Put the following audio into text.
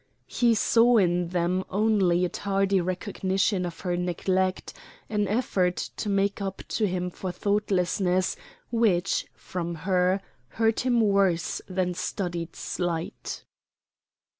He saw in them only a tardy recognition of her neglect an effort to make up to him for thoughtlessness which, from her, hurt him worse than studied slight.